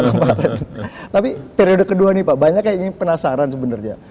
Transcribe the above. tapi periode kedua ini pak banyak yang penasaran sebenarnya